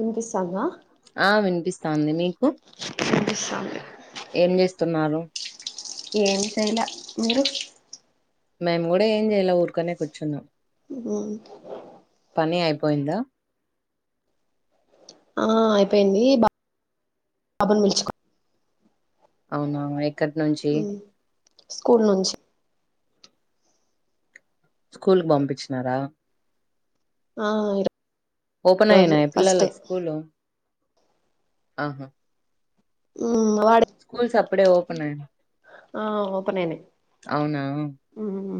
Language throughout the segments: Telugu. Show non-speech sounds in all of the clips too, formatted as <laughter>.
వినిపిస్తాందా ఆ వినిపిస్తాంది మీకు వినిపిస్తొంది తున్నాను ఏం సైల మీరు మేము గూడ ఏం జేయలే ఊరుకనె కూర్చున్నం ఉహుమ్ పని అయిపోయింద ఆ అయిపోయింది బా బాబును పిలుచుకో అవున ఎక్కడి నుంచి స్కూల్ నుంచి స్కూల్ కు పంపించినార ఆ అంతే ఓపెన్ అయినాయ పిల్లలకు స్కూలు ఆహా వాడు స్కూల్స్ అప్పుడే ఓపెన్ అయినయి ఆ ఓపెన్ అయినయి అవునా ఊహు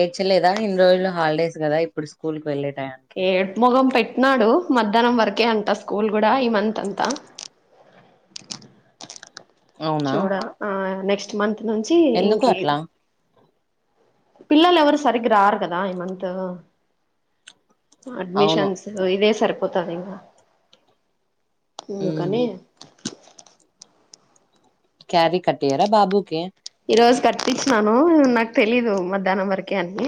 ఏడ్చలేద ఇన్ని రోజులు హాలిడేస్ గద ఇప్పుడు స్కూల్కి వెళ్ళెట ఏడ్పు మొగం పెట్టినాడు మధ్యాహ్నం వరకే అ స్కూల్ గూడ ఈమంత్ అంత అవునా చూడ ఆ నెక్స్ట్ మంత్ నుంచి ఇంక ఎందుకు అట్లా పిల్లలు ఎవరు సరిగ్గ రారు గదా ఈ మంత్ అవును అడ్మిషన్స్ ఇదే సరిపోతదింగ ఉమ్ కనీ క్యారి కట్టీయర బాబూకి ఈ రోజు కట్టించినాను నాకు తెలీదు మధ్యాహ్నం వరకే అని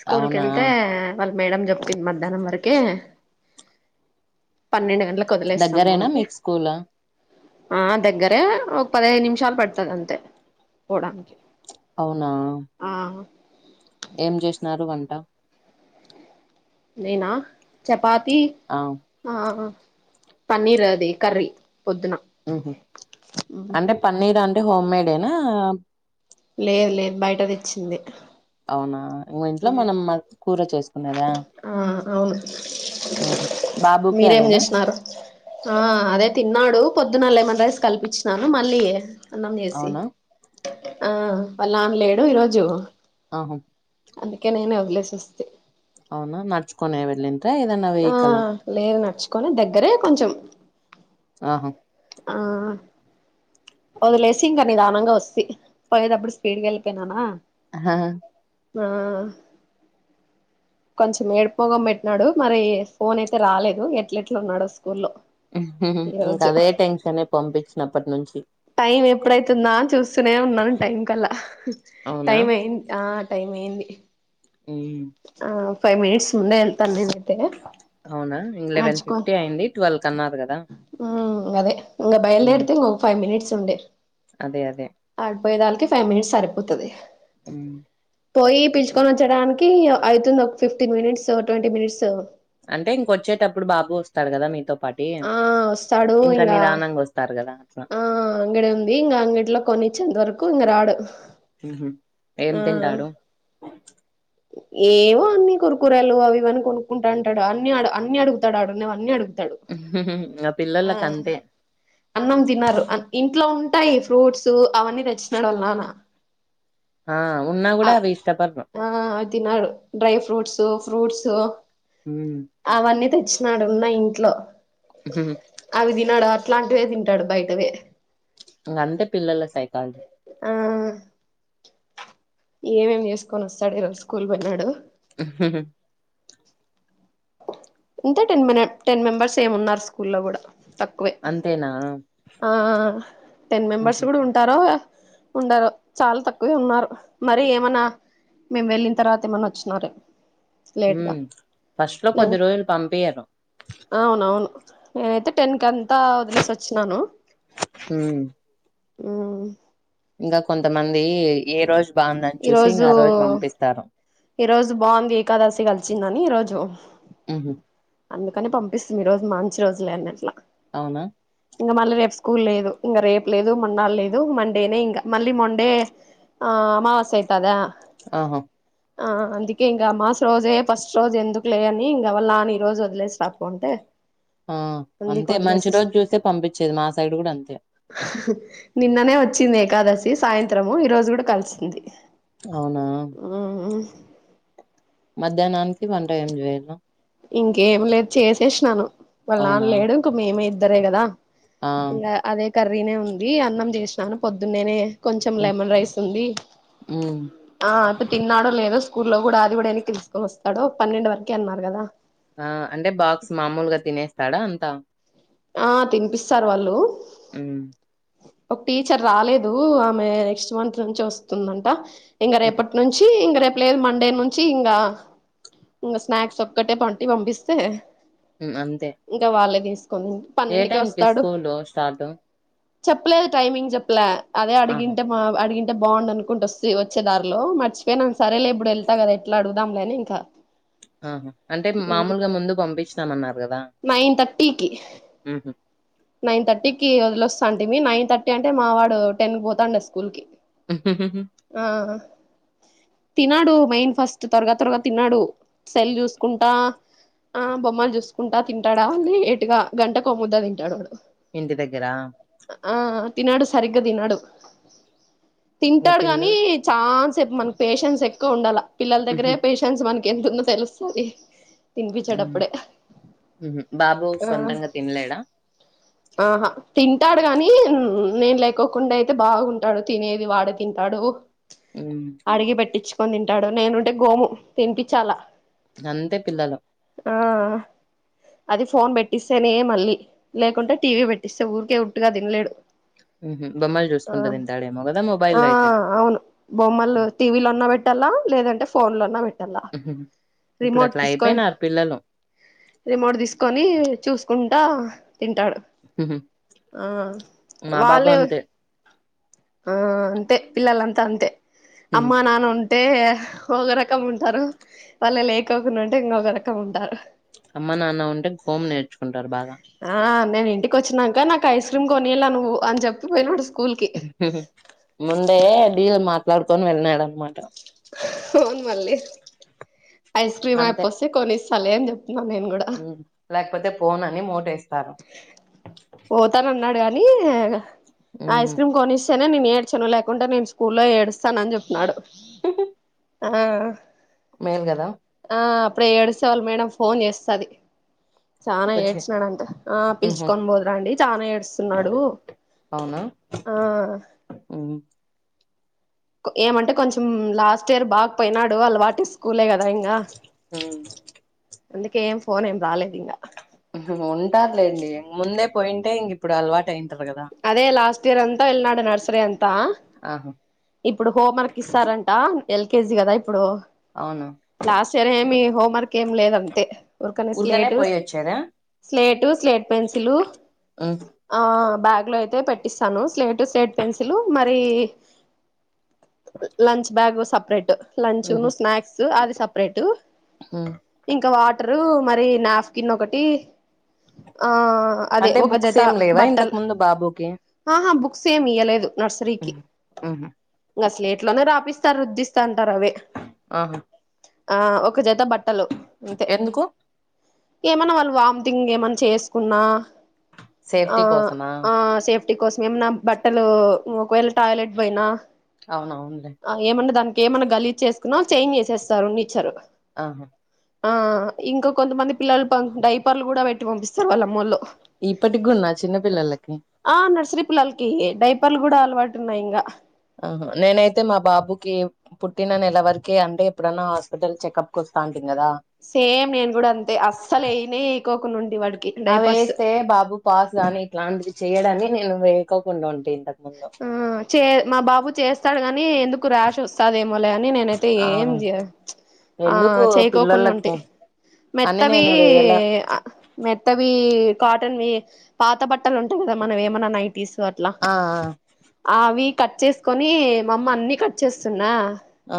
స్కూల్ అవునా కెళ్తే వాళ్ మేడం చెప్పింది మధ్యాహ్నం వరకే పన్నెండు గంట లకు వదిలేస్తము దగ్గరేనా అంటె మీకు స్కూల్ ఆ దగ్గరే ఒక పదహేను నిమిషాలు పడతది అంతే పోవడానికి అవునా ఆ ఏం జేసినారు వంట నేనా చపాతీ ఆ ఆ పన్నీర్ అది కర్రీ పొద్దున ఉహు అంటె పన్నీర్ అంటే హోమ్ మేడేనా లేదు లేదు బయట తెచ్చిందే అవునా మ ఇంట్లో మనం కూర చేసుకునేదా ఆ అవును ఆహా బాబుకి మీరేం అదేనా జేసినారు ఆ అదే తిన్నాడు పొద్దున్న లెమన్ రైస్ కల్పించినాను మళ్ళీ అన్నం చేసి అవునా ఆ వాళ్ల నాన్న లేడు ఈరోజు ఆహా అందుకే నేను వదిలేస్ అస్తి అవున నడుచుకోనే వెళ్ళంట ఏదన్న వేహికల కొని దగ్గరే కొంచెం ఆహమ్ ఆ వదిలేసి ఇంక నిదానంగ వస్తి పోయేటప్పుడు స్పీడ్కి వెళ్ళిపోయినాన అహా ఆ కొంచెం ఏడుపుమొగం పెట్టినాడు మరి ఫోన్ అయితే రాలేదు ఎట్లేట్లా ఉన్నాడో స్కూల్లో ఈ ఇంకా రోజు అదే టెన్షనే పంపించినప్పటి నుంచి టైం ఎప్పుడైతుందా అని చూస్తూనే ఉన్నాను టైం కల్లా అవునా టైం అయిం ఆ టైం అయింది ఉమ్ ఆ ఫైవ్ మినిట్స్ ముందే తండ్రినైతే అవునా ఇంగ లెవెన్ నడుచూకో ఫిఫ్టీ అయింది ట్వెల్వ్ కన్నారు కదా ఆ ఇంగదే ఇంగ ఉమ్ బయలుదేరితే ఒక ఫైవ్ మినిట్స్ ఉండే అదే అదే పోయేదాలకి ఫైవ్ మినిట్స్ సరిపోతది ఉమ్ పోయి పిలుచుకొని వచ్చటానికి అయితుంది ఒక ఫిఫ్టీన్ మినిట్స్ ట్వంటీ మినిట్స్ అంటే ఇంకొచ్చేటప్పుడు బాబు వస్తాడు కదా మీతో పాటి ఆ వస్తాడు ఇంక ఇంగా మీరు ఆనంగా వస్తారు కదా అట్లా ఆ అంగడి ఉంది ఇంగా అంగట్లో కొనిచ్చేంత వరకు ఇంగ రాడు ఏం ఆ తింటాడు ఏవో అన్ని కురకురేలు అవి ఇవి అని కొనుక్కుంటాండు అన్ని ఆడ అన్ని అడుగుతాడు ఆడ ఉన్నవన్ని అడుగు ఆ పిల్లోల్లకి అంతే అన్నం తిన్నారు అ ఇంట్లో ఉన్ టాయి ఫ్రూట్స్ అవన్నీ తెచ్చినాడు వాళ్ళ నాన్న ఆ ఉన్నా ఆ కూడా అవి ఇష్టపడరు ఆ తినడు డ్రై ఫ్రూట్స్ ఫ్రూట్స్ హ్మ్ అవన్నీ తెచ్ డు ఉన్నా ఇంట్లో అవి తినడు అట్లాంటివే తింటాడు బయటవే ఇంగ అంతే పిల్లల సైకాలజీ ఆ ఏమేం చేసుకొని వస్తాడు ఈ రోజు స్కూల్ పోయినాడు <inaudible> ఉంటే టెన్ మినిట్ టెన్ మెంబర్స్ ఏమో ఉన్నారు స్కూల్ లో కూడా తక్కువే అంతేనా ఆ టెన్ మెంబర్స్ హుహు. కూడా ఉంటారో ఉండరో చాలా తక్కువే ఉన్నారు మరి ఏమన్నా మేము వెళ్ళిన తర్వాత ఏమన్నా వచ్చినారే ఉ లేట్గా ఫస్ట్ లో కొద్ది నేను రోజులు పంపియ్యరు అవును నేనైతే టెన్ కంతా వదిలేసి వచ్చినాను ఊ ఊ ఇంకా కొంతమంది ఏ రోజు బాగుందని చూసి ఇంగ ఈరోజు ఆ రోజు పంపిస్తారు ఈరోజు బాగుంది ఏకాదశి కలిసిందని ఈరోజు ఉహు అందుకని పంపిస్తామి ఈ రోజు మంచి రోజులే అన్నట్లా అవునా ఇంగా మళ్ళీ రేపు స్కూల్ లేదు ఇంగా రేపు లేదు మొన్నడు లేదు మండేనే ఇంగా మళ్ళీ మండే ఆ అమావాస్య అయితదా ఆహా ఆ అందుకే ఇంగ అమాస రోజే ఫస్ట్ రోజు ఎందుకు లే అని ఇంగా వాళ్ళ నాన్న ఈరోజు వదిలేసి రాపో అంటే ఆ అందుకే అంతే మంచి వదిలేసేసా రోజు చూసే పంపించేది మా సైడ్ కూడా అంతే నిన్ననే వచ్చింది ఏకాదశి సాయంత్రము ఈ రోజు కూడా కలిసింది అవునా ఉమ్ మధ్యాహ్నానికి వంట ఏం చేయావ ఇంకేం లేదు చేసేషినాను వాళ్ళ నాన్న అవునా లేడు ఇంక మేమే ఇద్దరే కదా ఆ ఇలా అదే కర్రీనే ఉంది అన్నం చేసినాను పొద్దున్నేనే కొంచెం హ్మ్ లెమన్ రైస్ ఉంది హ్మ్. ఆ అయప్ప తిన్నాడో లేదో స్కూల్లో కూడా అది కూడా ఎన్నికి తీసుకొని వస్తాడో పన్నెండు వరకే అన్నారు కదా ఆ అంటే బాక్స్ మామూలుగా తినేస్తాడా అంతా ఆ తినిపిస్తారు వాళ్ళు ఊ ఒక టీచర్ రాలేదు ఆమె నెక్స్ట్ మంత్ నుంచి వస్తుందంట ఇంగ హుహు. రేపటి నుంచి ఇంగ రేప్ లేదు మండే నుంచి ఇంగ ఇంగా స్నాక్స్ ఒక్కటే పంటి పంపిస్తే హ్మ్. అంతే. ఇంక వాళ్ళే తీసుకుని ఏ పన్నెండుకె టైంకి వస్తాడు స్కూలు స్టార్టు? చెప్పలేదు టైమింగ్ చెప్పల అదే ఆహా! అడిగింటె అడిగి అంటే బాగుండు అనుకుంటూ వస్తె వచ్చే దారిలో మర్చిపోయినను సరేలే ఇప్పుడు వెళ్తా కదా ఎట్లా అడుగుదాంలేని ఇంకా ఆహా అంటే మామూలుగా ముందు పంపించినం అన్నారు నైన్ థర్టీకి హుహు. నైన్ థర్టీకి వస్తా అంటే మీ నైన్ థర్టీ అంటే మా వాడు టెన్ పోతాండ స్కూల్కి తిినడు మెయిన్ ఫస్ట్ త్వరగా త్వరగా తిన్నడు సెల్ చూసుకుంటా ఆ బొమ్మలు చూసుకుంటా తింటాడా లేటుగా గంట కోమ్ముద్దా తింటాడు వాడు ఇంటి దగ్గరా ఆ తినడు సరిగ్గా తినడు ఇంగ తింటాడు గాని పిల్లలు చా సె మన పేషెన్స్ ఎక్కువ ఉండాలా పిల్లల దగ్గరే హుహు. పేషెన్స్ మనకి ఎంతతుందో తెలుస్తది హ్మ్. తిన్పిచేటప్పుడే బాబు సొంతంగా తినలేడా ఆహా తింటాడు గాని నేను లేకోకుండా అయితే బాగుంటాడు తినేది వాడే తిన్ తింటాడు హ్మ్. అడిగి పెట్టించుకొని తింటాడు నేనుంటే గోము తినిపిచ్చాల అంతే పిల్లలు ఆ అది ఫోన్ పెట్టిస్తేనే మళ్ళీ లేకుంటే టీవీ పెట్టిస్తే ఊరికే ఉట్టుగా తినలేడు హుహు. బొమ్మలు ఆ జూసుకుంటూ తింటాడేమో గదా! ఆ మొబైల్‌లో అయితే. అవును బొమ్మలు టీవీలో అన్నా పెట్ పెట్టల్ల లేదంటే ఫోన్ లో అన్న పెట్టాల హుహు. రిమోట్ ఇప్పుడట్లా తీసుకో అయిపోయినారు పిల్లలు. మోడు తీసుకొని చూసుకుంటా తింటాడు హుహు. ఆ మా బాబు వాళ్ళే అంతే. ఆ అంతే పిల్లలంతా అంతే హుహు. అమ్మా నాన్న ఉం అంటే ఒగ రకం ఉంటారు వాళ్ళు లేకోకుండా ఉంటే ఇంగ ఒగ రకం ఉంటారు అమ్మ నాన్న ఉంటే గోము నేర్చుకుంటారు బాగా ఆ నేను ఇంటికి వచ్చినాంక నాకు ఐస్ క్రీమ్ కొనియల్ల నువ్వు అని చెప్పిపోయినాడు స్కూల్ కి ముందే డీల్ మాట్లాడుకొని వెళ్ళినాడు అనమాట అవును మళ్ళీ ఐస్ క్రీమ్ అంతే. అయిపోసి కొనిస్తాలే అని చెప్ ప్నా నేన్ కూడా పోతే ఫోన్ అని మోటేస్ పోతాన్ అన్నాడు గాని ఐస్ క్రీమ్ కొనిస్ నే నేను ఏడ్చను లేకుంటే నేను స్కూల్లో ఏడుస్తానని చెప్న్నాడు ఆ మేల్ కదా ఆ అప్పుడే ఏడుస్తేవాళ్ళు మేడం ఫోన్ చేస్తది చానా కచ్చి ఏడ్చినాడంట ఆ ఉహు పిలుచుకొని పోదురాండి చానా ఏడుస్తున్నాడు ఉన్నా ఆ ఆ ఏమంటే కొంచెం లాస్ట్ ఇయర్ బా పోయినాడు ఆళ్ళ వాటి స్కూలే కదా ఇంగా అందుకే ఫోన్ ఏం రాలేదు ఇంగా ఉహు ఉంటారులేండి ముందే పోయింటే ఇంగ ఇప్పుడు అలవా టైమ్ అదే లాస్ట్ ఇయర్ అం త వెళ్ళినాడు నర్సరీ అంతా ఆహా ఇప్పుడు హోం వర్క్ ఇస్తారంట. ఎల్కేజి కదా ఇప్పుడు అవును లాస్ట్ ఇయర్ ఏమి హోంవర్క్ ఏమి లేదు అంతే ఉర్కనే ఊరికనే స్లేటు పోయి వచ్చారా స్లేటు స్లేట్ పెన్సిలు ఉమ్, ఆ బ్యాగ్ లో అయితే పెట్టిస్తాను స్లేట్ స్లేట్ పెన్సిల్ మరి లంచ్ బ్యాగ్ సప్రేట్ ఉహు లంచ్ను స్నాక్స్ అది సపరేట్ ఉ ఇంకా వాట ర్ మరి నాఫకిన్ ఒకటి ఆ ఆ అదే అంటే ఒక బుక్స్ జత ఏం లేవా బట్టల్ ఇంతకు ముందు బాబుకి ఆహా బుక్స్ ఏమి ఇయ్యలేదు నర్సరీకి ఉహు ఉహు, స్లీటే ఇంట్లోనే రాపి త రుద్దిస్తంటారు అవి ఆహా ఆ ఒక చేత బట్ట ట్టలు అంతే ఎందుకు ఏమన్నా వాళ్ళు వామిటింగ్ ఏమన్నా చేసుకున్నా ఆ సేఫ్టీ కోసమా ఆ సేఫ్టీ కోసం ఏమన్నా బట్టలు ఒకవేళ టాయిలెట్ పైన అవునవునులే అ ఏమన్నా దానికి ఏమన్నా గలీచ్చేస్త నా చేంజ్ చేసేస్తారుని ఇచ్చారు ఆ అ ఆ ఇంకా కొంతమంది పిల్లలు పం డైపర్లు కూడా పెట్టి పంపిస్తారు వాళ్ళ అమ్మోళ్ళు ఇప్పటిగున్నా చిన్న పిల్లలకి ఆ నర్సరీ పిల్లలకియ్య డైపర్లు కూడా అలవాటు ఉన్నాయి ఇంగా ఆహ నేనైతే మా బాబుకి పుట్టిన నెల వరకే అంటే ఎప్పుడన్నా హాస్పిటల్ చెకప్కి వస్తా అంటిమి కదా సేమ్ నేను కూడా అంతే అస్సలు ఎయినే ఏయికోకుండా ఉండి వాడికి అవి డైపర్స్ వేస్తే బాబు పాస్ గాని ఇట్లాంటివి చెయడని నేను వేయకోకుండా ఉండను ఆ చే మా బాబు చేస్తాడుగాని ఎందుకు ర్యాష్ వస్తదే మలే అని నేనైతే ఆ ఏం చ్ ఆ ఎందుకు చేయకోకుండా ఉంటే పిల్లోల్లకి అని మెత్తవి నేను వేయలా అ మెత్తవి కాటన్వి పాత బట్టలు ఉంటాయి కదా మనవి ఏమన్నా నైటీస్ అట్లా ఆఆ అవి కట్ చేసుకొని మామ్మ అన్ని కట్ చేస్తున్నా ఆ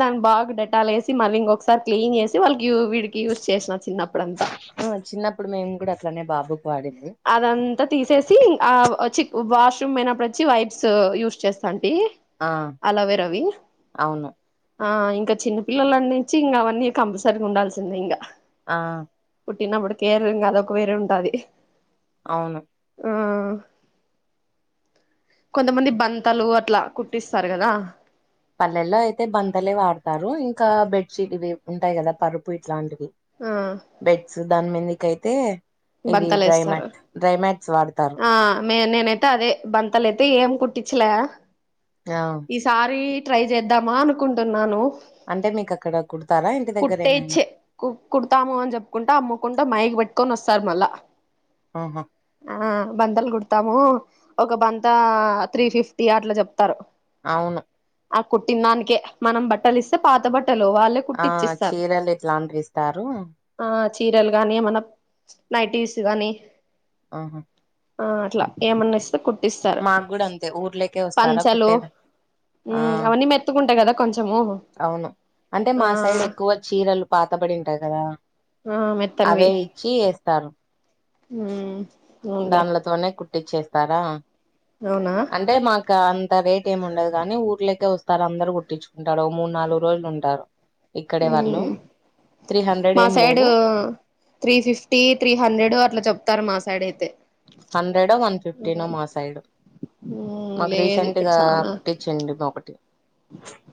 దానికి బాగా డేటల్ వేసి మళ్ళి ఇంకొకసారి క్లీన్ చేసి వాళ్ళకి యూ వీడికి యూస్ చేసిన చిన్నప్పుడంతా ఆ! చిన్నప్పుడు మేము కూడా అట్లనే బాబుకు వాడింది అదంతా తీసేసి ఆ వచ్చి వాష్రూమ్ అయినప్పుడు వచ్చి వైబ్స్ యూస్ చేస్తా డి ఆ అలవేరవి అవును ఆ ఇంకా చిన్న పిల్లలన్ని నుంచి ఇంకా అవన్నీ కంపల్సరీగా ఉండాల్సిందే ఇంగా ఆ పుట్టినప్పుడు కేరలుంగా అద ఒక వేరే ఉంటాది. అవును ఆ కొంతమంది బంతలు అట్లా కుట్టిస్తారు కదా పల్లెల్లో అయితే బంతలే వాడ్తారు ఇంకా బెడ్షీట్ ఇవి ఉంటాయి కదా పరుపు ఇట్లాంటివ్ ఆ బెడ్స్ దాన్ మీదికైతే ఇదీ బంతలు వేస్తారు డ్రైమ్యాట్ డ్రైమ్యాట్స్ వాడ్ ఆ మే నేనైతే అదే బంతలైతే ఏం కుట్టిచ్చలా ఆ ఈసారి ట్రై చేద్దామా అనుకుంటున్నాను. అంటే మీకక్కడ కొ కుట్టేచ్చే కు కుడతాము అన్ జేప్పుకుంటా, అమ్ముకుంటా మైక్ పెట్టుకోన్ వస్ స్తారు మళ్ళా ఆహా! ఆ బంతల్ కుడ్తాము ఒక బంతా త్రీ ఫిఫ్టీ అట్లా చెప్తారు. అవును. ఆ కుట్టిన్ దానికే మనం బట్టలిస్తే పాత బట్ ట్టలు వాళ్ళే ఆ కుట్టిచ్చిస్తార్ చీరలు ఇట్లాంటివి ఇస్తారు ఆ చీరల్ గానీ మన నైటీస్ గాని ఆహా ఆ అట్లా ఏమన్నా ఇస్తే కుట్ ఇస్తారు. మాకు కూడా అంతే ఊర్లేకే వస్తారా పంచలు కుట్టేదా ఆ మ్ అవన్నీ మెత్తుకుంటాయి గదా అవును అంటే మా సైడ్ ఆ ఎక్కువ చీరలు పాత పడిబడి ఉంటాయి కదా ఆ అవే ఇచ్చి ఏస్తారు. హ్మ్ దాన్లతోనే కుట్టిచ్చేస్తారా అవునా అంటే మాకా అంత రేట్ ఏం ఉండదు గానీ ఊర్లకే వస్ స్తారు అందరు కుట్టిచ్చుకుంటారు మూడు నాలుగు రోజులు ఉంటారు ఇక్కడే వాళ్ళు మ్మ్ త్రీ హండ్రెడ్ మా ఏం సైడ్ లేదు త్రీ ఫిఫ్టీ, త్రీ హండ్రెడ్ అట్లా చెప్ తారు మాసైడైయితే హండ్రెడో వన్ ఫిఫ్టీనో మా సైడ్ మ్మ్ మాకు లేదు ఇక్కడ రీసెంట్గా చానా తెచ్చిండు ఒకటి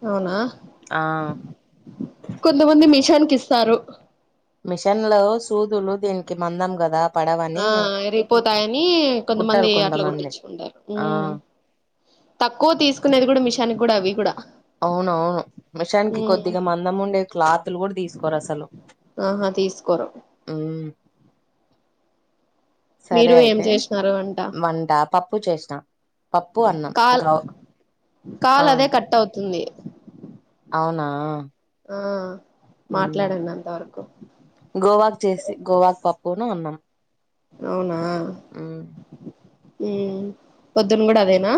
అవునా ఆ కొంతమంది మిషాని కిస్ స్తారు. మిషన్లో సూదులు దీనికి మందం గదా ఆ ఇరిగిపోతాయనీ కుట్టారు కొంతమంది అట్ల కొంతమంది గుట్టిచ్చుకుంటారు. ఆ మ్ తక్కువ తీస్కునేది గుడ మిషనిక్ గుడ అవి కుడా అవునవును మిషానికి కొద్దిగా మందం ఉండే క్లాతుల్ గుడ తీస్కోరసలు ఆహా తీస్కోరు. సరే మీరు ఏం అయితే చేసినారు అంట వంట పప్పు చేస్నా పప్పు, అన్నం కాల్ గౌ ఆ కాల్ అదే కట్ అవుతుంది. అవునా ఆ మ్ మాట్లాడండి అంతవరకు గోవాక్ చేసి గోవాక్ పప్పును అన్నం అవునా మ్ ఉమ్ పొద్దున్ గుడ అదేనా?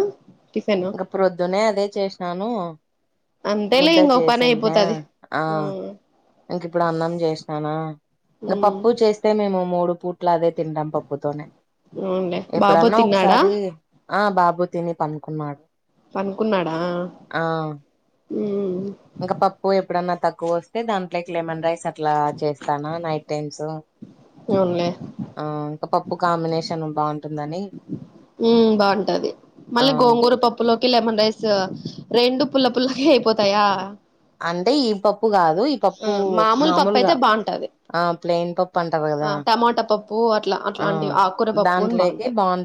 టిఫిన్ ఇంక ప్రొద్దునే అదే చేసినాను అంతేలే ముద్దల్ ఇంక ఒక పని చేసిందా? అయిపోతది ఆ ఇంకిప్పుడు అన్నం చేసినానా ఇంక ఉమ్ పప్పు చేస్తే మేము మూడు పూట్ల అదే తింటం పప్పుతోనే అవునులే బాబు ఎప్పుడన్నా తిన్నాడా ఒకసారి ఆ బాబు తిని పనుకున్నాడు. పనుకున్నాడా మ్ ఇంక పప్పు ఎప్పుడన్నా తక్కువ వస్తే దాంట్లోకి లెమన్ రైస్ అట్లా చేస్తానా నైట్ టైమ్స్ అవునులే ఆ ఇంకప ప్పు కాంబినేషన్ బావుంటుందని ఉ బావుంటది మళ్ళీ గోంగూర పప్పులోకి లెమన్ రైస్ రెండు పుల్ల పుల్లక అయిపోతాయా అంటే ఈ పప్పు కాదు ఈ ఆ పప్పు మామూలు పప్పు మామూలుగా అయితే బాగుంటది ఆ ప్లెయిన్ పప్పు అంటారు ఆ కదా టమాటా పప్పు అట్లా ఆ అట్లాంటివి ఆకుకూర పప్పు కూడా దాంట్లోకి బాగుంటది బావుంటు